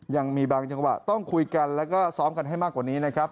ยังมีบางจังหวะต้องคุยกันแล้วก็ซ้อมกันให้มากกว่านี้นะครับ